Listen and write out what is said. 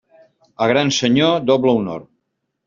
A gran senyor, doble honor.